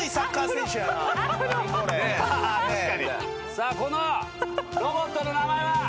さあこのロボットの名前は。